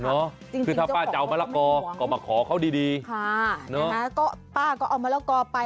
คือถ้าป้าจะเอามะละกอก็มาขอเขาดีดีค่ะเนอะก็ป้าก็เอามะละกอไป